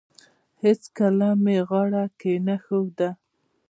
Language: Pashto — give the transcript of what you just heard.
هیڅکله یې غاړه کښېنښوده.